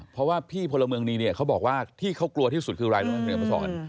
เพราะว่าพี่พลเมิงดีเนี่ยเขาบอกว่าที่เขากลัวที่สุดคือรายละเอียดพระศร